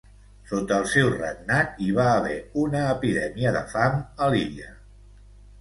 Sota el seu regnat hi va haver una epidèmia de fam a l'illa.